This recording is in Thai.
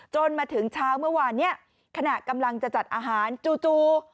มาถึงเช้าเมื่อวานเนี่ยขณะกำลังจะจัดอาหารจู่